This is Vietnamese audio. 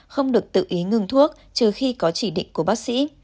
không được tự ý ngừng thuốc trừ khi có chỉ định của bác sĩ